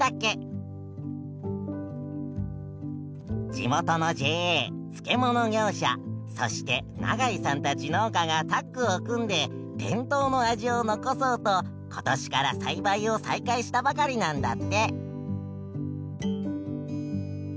地元のＪＡ漬物業者そして永井さんたち農家がタッグを組んで伝統の味を残そうと今年から栽培を再開したばかりなんだって。